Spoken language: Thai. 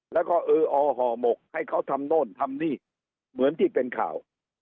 แล้วก็เอออห่อหมกให้เขาทำโน่นทำนี่เหมือนที่เป็นข่าว